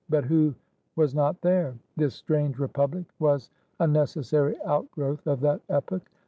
But who was not there? This strange repubhc was a necessary outgrowth of that epoch.